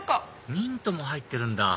ミントも入ってるんだ